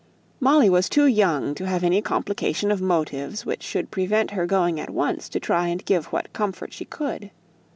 Molly was too young to have any complication of motives which should prevent her going at once to try and give what comfort she could.